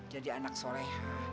jadi anak soleha